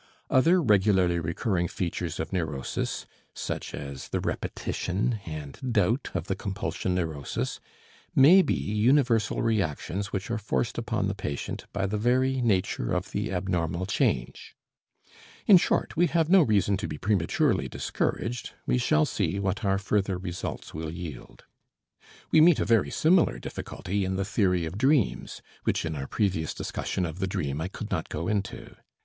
Other regularly recurring features of neurosis, such as the repetition and doubt of the compulsion neurosis, may be universal reactions which are forced upon the patient by the very nature of the abnormal change. In short, we have no reason to be prematurely discouraged; we shall see what our further results will yield. We meet a very similar difficulty in the theory of dreams, which in our previous discussion of the dream I could not go into.